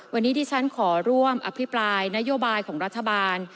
วันนี้ที่ฉันขอร่วมอภิปรายนโยบายของรัฐบาล